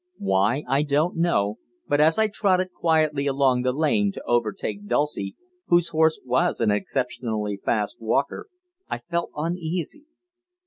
Why, I don't know, but as I trotted quietly along the lane, to overtake Dulcie, whose horse was an exceptionally fast walker, I felt uneasy.